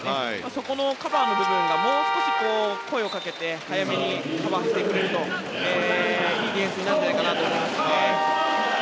そこのカバーの部分がもう少し声をかけて早めにカバーしてくれるといいディフェンスになるんじゃないかなと思いますね。